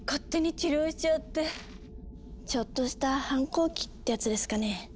ちょっとした反抗期ってやつですかね？